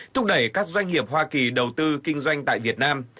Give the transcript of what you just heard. thúc đẩy các doanh nghiệp hoa kỳ đầu tư kinh doanh tại việt nam